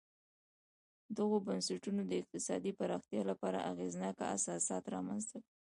دغو بنسټونو د اقتصادي پراختیا لپاره اغېزناک اساسات رامنځته کړل